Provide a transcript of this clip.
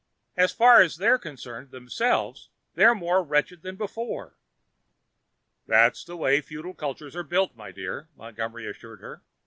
"As far as they're concerned themselves, they're more wretched than before." "That's the way feudal cultures are built, my dear," Montgomery assured her.